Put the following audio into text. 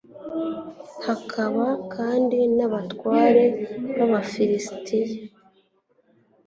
hakaba kandi n'abatware b'abafilisiti